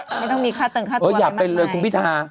ไม่ต้องมีค่าตึงค่าตัวอะไรมากมายอุ๊ยอย่าเป็นเลยคุณพิทา